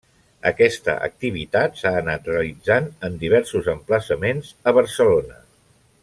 Aquesta activitat s'ha anat realitzant en diversos emplaçaments a Barcelona.